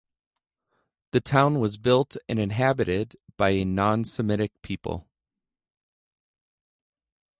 The town was built and inhabited by a non-Semitic people.